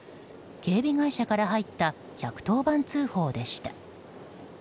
警備会社から入った１１０番通報でした。